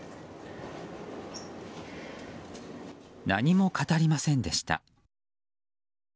何も語りませんでした。